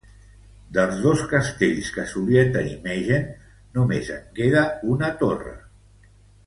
Dels dos castells que solia tenir Megen, només en queda una torre.